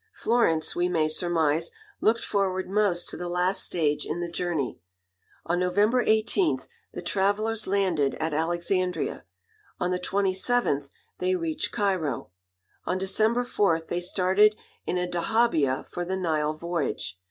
Florence, we may surmise, looked forward most to the last stage in the journey. On November 18 the travellers landed at Alexandria. On the 27th they reached Cairo. On December 4 they started in a dahabiah for the Nile voyage.